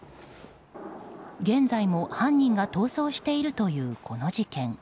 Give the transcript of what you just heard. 現在も犯人が逃走しているというこの事件。